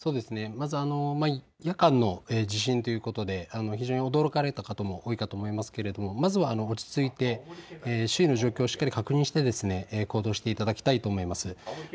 まず夜間の地震ということで非常に驚かれた方も多いと思いますがまずは、落ち着いて周囲の状況をしっかりと確認してですね、行動していただきたいと思います。